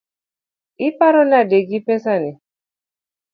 Iparo nade gi pesani?